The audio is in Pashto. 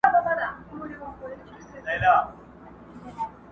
ورور د وجدان اور کي سوځي.